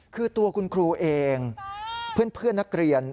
คือตัวคุณครูเองเพื่อนนักเรียน